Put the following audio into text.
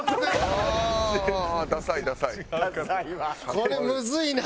これむずいな！